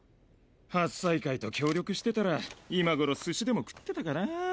八斎會と協力してたら今頃寿司でも食ってたかなぁ。